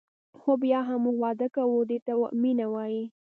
خو بیا هم موږ واده کوو دې ته مینه وايي.